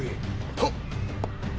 はっ。